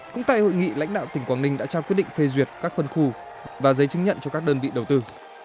cũng tại hội nghị lãnh đạo tỉnh quảng ninh đã trao quyết định phê duyệt các phân khu và giấy chứng nhận cho các đơn vị đầu tư